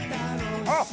あっ！